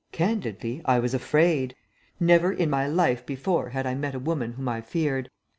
Candidly, I was afraid. Never in my life before had I met a woman whom I feared.